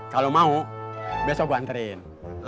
kalo mau besok gue anterin